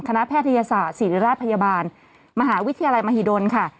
แพทยศาสตร์ศิริราชพยาบาลมหาวิทยาลัยมหิดลค่ะ